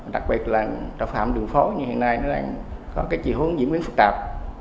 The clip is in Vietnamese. đặc biệt là tội phạm đường phó như hiện nay có chỉ hướng diễn biến phức tạp